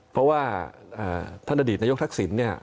เพราะว่าท่านอดีตนายกทักศิลป์